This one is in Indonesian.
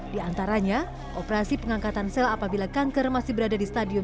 di antaranya operasi pengangkatan sel apabila kanker masih berada di stadion